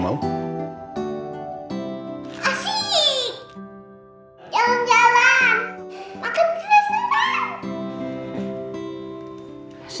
makan dulu siva